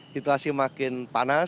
situasi makin panas